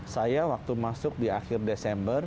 saya waktu masuk di akhir desember